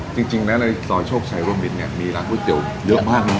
จริงจริงแล้วในสอยโชคชัยร่วมบินเนี้ยมีร้านพูดเจ๋วเยอะมากเนอะใช่